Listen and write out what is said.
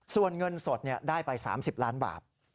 ส่วนเงินสดได้ไป๓๐ล้านบาท